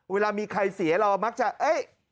เวลามีใครเสียเรามักจะเอ้ย